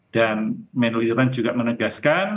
dan menu iran juga menegaskan